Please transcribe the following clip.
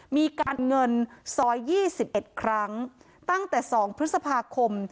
มีการเงินซอย๒๑ครั้งตั้งแต่๒พฤษภาคม